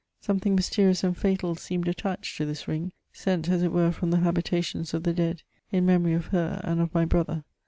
Something mysterious and fatal seemed attached to this ring, sent as it were firom the habitations of the dead, in memory of her and of my brother.